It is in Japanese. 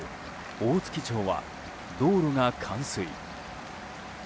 大月町は道路が冠水。